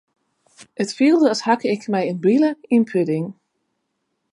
It fielde as hakke ik mei in bile yn in pudding.